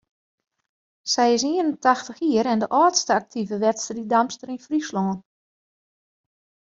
Sy is ien en tachtich jier en de âldste aktive wedstriiddamster yn Fryslân.